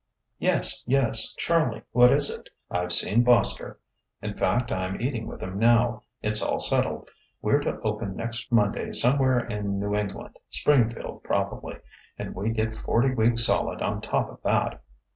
"Yes yes, Charlie. What is it?" "I've seen Boskerk in fact, I'm eating with him now. It's all settled. We're to open next Monday somewhere in New England Springfield, probably; and we get forty weeks solid on top of that."